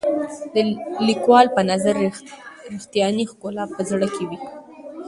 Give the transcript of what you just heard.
د لیکوال په نظر رښتیانۍ ښکلا په زړه کې وي.